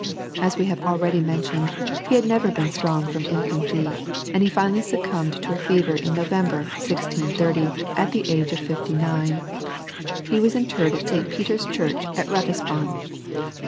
As we have already mentioned, he had never been strong from infancy, and he finally succumbed to a fever in November, 1630, at the age of fifty nine. He was interred at St. Peter's Church at Ratisbon.